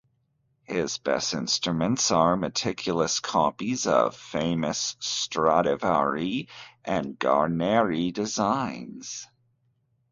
His best instruments are meticulous copies of famous Stradivari and Guarneri designs.